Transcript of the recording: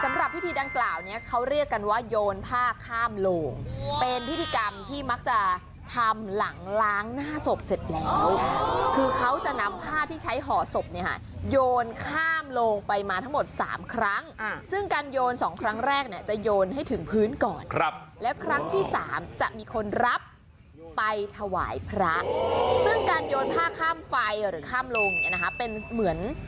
สำหรับพิธีดังกล่าวเนี้ยเขาเรียกกันว่าโยนผ้าข้ามโลงเป็นพิธีกรรมที่มักจะทำหลังล้างหน้าศพเสร็จแล้วคือเขาจะนำผ้าที่ใช้ห่อศพเนี่ยค่ะโยนข้ามโลงไปมาทั้งหมดสามครั้งซึ่งการโยนสองครั้งแรกเนี่ยจะโยนให้ถึงพื้นก่อนครับแล้วครั้งที่สามจะมีคนรับไปถวายพระซึ่งการโยนผ้าข้ามไฟหรือข้ามโลงเนี่ยนะคะเป็นเหมือน